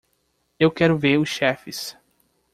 Eu quero ver os chefes.